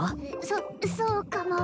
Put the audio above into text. そそうかも？